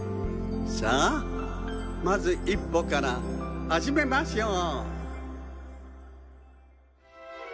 さあまず一歩からはじめましょう。